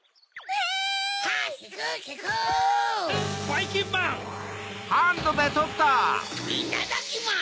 いただきます！